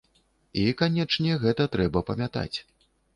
І, канечне, гэта трэба памятаць.